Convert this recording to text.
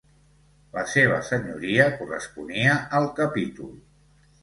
La seva senyoria corresponia al capítol.